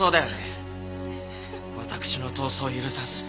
「私の闘争を許さず」。